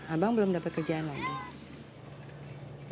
abang belum dapat kerjaan lagi